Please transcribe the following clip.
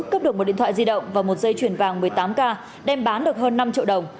cướp được một điện thoại di động và một dây chuyển vàng một mươi tám k đem bán được hơn năm triệu đồng